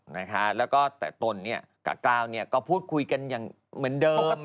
แล้วก็แต่ตนเนี่ยกับก้าวเนี่ยก็พูดคุยกันอย่างเหมือนเดิม